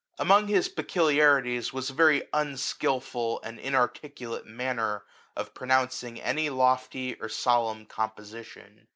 Among his peculiarities was a very un skilful and inarticulate manner of pronoun cing any lofty or solemn composition.